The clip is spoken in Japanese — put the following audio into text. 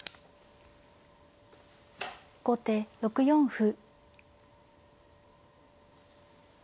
後手６四歩。